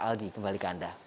aldi kembali ke anda